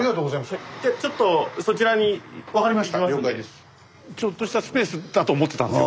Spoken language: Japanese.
スタジオちょっとしたスペースだと思ってたんですよ。